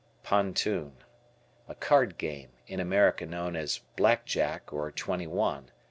Pontoon. A card game, in America known as "Black Jack" or "Twenty One."